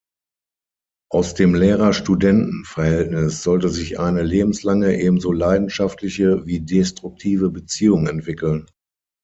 Aus dem Lehrer-Studenten-Verhältnis sollte sich eine lebenslange, ebenso leidenschaftliche wie destruktive Beziehung entwickeln.